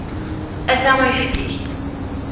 Ata uyefki-k.